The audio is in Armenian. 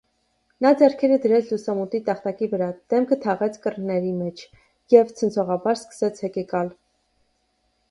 Նա ձեռքերը դրեց լուսամուտի տախտակի վրա, դեմքը թաղեց կռների մեջ և ցնցողաբար սկսեց հեկեկալ: